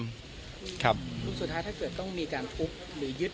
สุดท้ายถ้าเกิดต้องมีการทุบหรือยึด